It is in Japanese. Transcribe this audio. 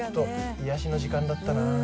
癒やしの時間だったな。